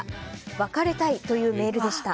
別れたいというメールでした。